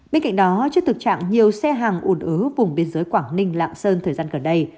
bên cạnh đó trước thực trạng nhiều xe hàng ùn ứ vùng biên giới quảng ninh lạng sơn thời gian gần đây